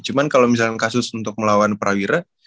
cuman kalo misalkan kasus untuk melawan prawira